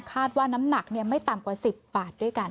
น้ำหนักไม่ต่ำกว่า๑๐บาทด้วยกัน